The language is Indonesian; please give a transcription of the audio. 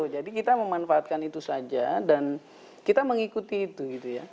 jadi kita memanfaatkan itu saja dan kita mengikuti itu